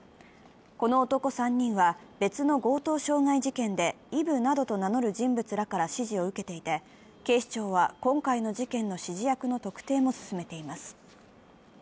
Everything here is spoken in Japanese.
この男３人は別の強盗傷害事件でイブなどと名乗る人物らから指示を受けていて警視庁は今回の事件の指示役の特定も進めています。